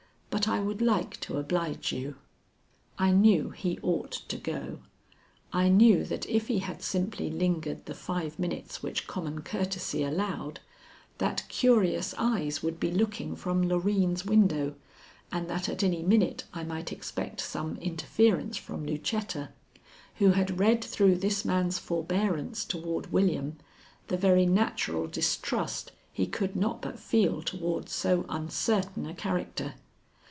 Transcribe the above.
But I would like to oblige you." I knew he ought to go. I knew that if he had simply lingered the five minutes which common courtesy allowed, that curious eyes would be looking from Loreen's window, and that at any minute I might expect some interference from Lucetta, who had read through this man's forbearance toward William the very natural distrust he could not but feel toward so uncertain a character.